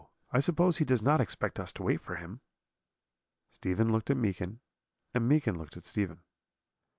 I suppose he does not expect us to wait for him.' "Stephen looked at Meekin, and Meekin looked at Stephen.